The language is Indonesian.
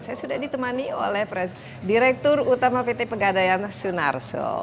saya sudah ditemani oleh direktur utama pt pegadaian sunarso